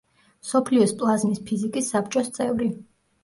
მსოფლიოს პლაზმის ფიზიკის საბჭოს წევრი.